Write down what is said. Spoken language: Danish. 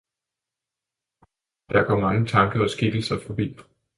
der går mange tanker og mange skikkelser forbi.